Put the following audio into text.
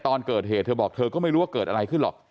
ตอนเกิดเหตุเธอบอกเธอก็ไม่รู้ว่าเกิดอะไรขึ้นหรอก